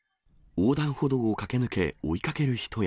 横断歩道を駆け抜け、追いかける人や。